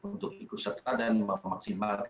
untuk ikut serta dan memaksimalkan